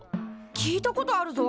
聞いたことあるぞ。